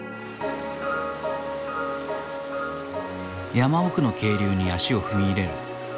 山奥の渓流に足を踏み入れる。